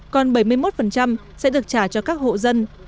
còn bảy mươi một sẽ được trả cho các hộ dân